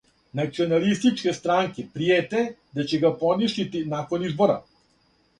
Националистичке странке пријете да ће га поништити након избора.